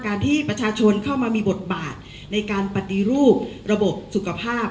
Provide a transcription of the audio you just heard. ที่ประชาชนเข้ามามีบทบาทในการปฏิรูประบบสุขภาพ